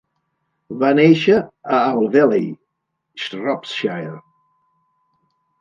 Va néixer a Alveley, Shropshire.